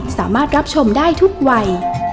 สามารถรับชมได้ทุกวัย